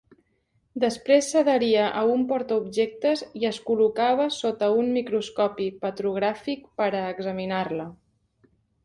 Després s'adheria a un portaobjectes i es col·locava sota un microscopi petrogràfic per a examinar-la.